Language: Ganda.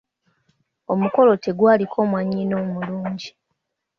Omukolo tegwaliko mwannyina omulungi.